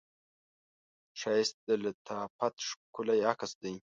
ښایست د لطافت ښکلی عکس دی